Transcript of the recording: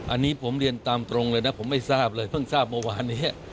อันนี้ผมเรียนตามตรงเลยนะผมไม่ทราบเลยเพิ่งทราบเมื่อวานนี้